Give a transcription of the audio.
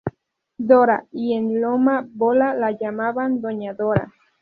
Dora, y en Loma Bola la llamaban Doña Dora.